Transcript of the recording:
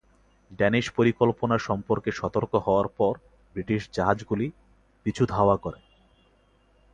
Danish পরিকল্পনা সম্পর্কে সতর্ক হওয়ার পর, ব্রিটিশ জাহাজগুলি পিছু ধাওয়া করে।